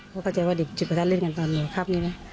เขาเข้าใจว่าดิบจุดประทัดเล่นกันตอนหน่วยครับนี่นะ